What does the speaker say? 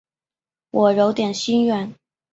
我有点心软